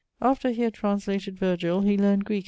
After he had translated Virgil, he learned Greeke[XLI.